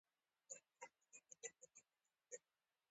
• د کتاب ارزښت، تلپاتې دی.